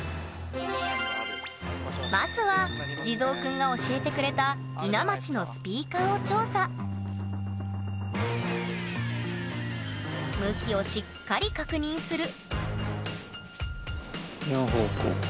まずは地蔵くんが教えてくれた伊奈町のスピーカーを調査向きをしっかり確認する